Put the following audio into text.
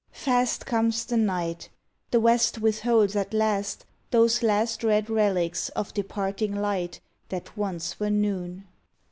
Fast comes the night; The west witholds at last Those last red relics of departing light That once were noon.